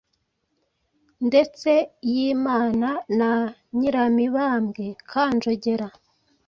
ndetse yimana na Nyiramibamwe Kanjogera,